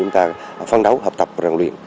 chúng ta phán đấu hợp tập ràng luyện